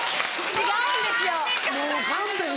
違うんですよ